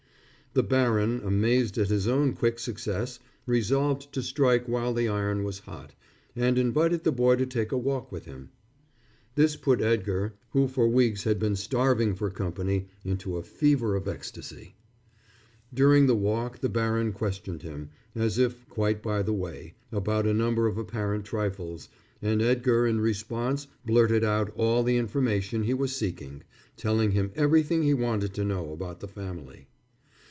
The baron, amazed at his own quick success, resolved to strike while the iron was hot, and invited the boy to take a walk with him. This put Edgar, who for weeks had been starving for company, into a fever of ecstasy. During the walk the baron questioned him, as if quite by the way, about a number of apparent trifles, and Edgar in response blurted out all the information he was seeking, telling him everything he wanted to know about the family.